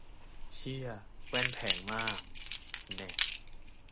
เชี่ย แว่น แพงมาก แน่ะ